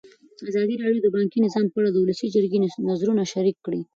ازادي راډیو د بانکي نظام په اړه د ولسي جرګې نظرونه شریک کړي.